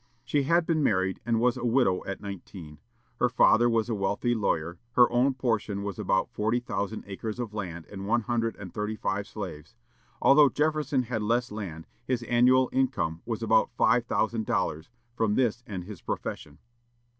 She had been married, and was a widow at nineteen. Her father was a wealthy lawyer; her own portion was about forty thousand acres of land and one hundred and thirty five slaves. Although Jefferson had less land, his annual income was about five thousand dollars, from this and his profession.